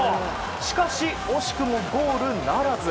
しかし、惜しくもゴールならず。